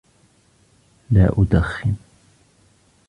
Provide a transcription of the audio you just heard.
لا أدخن.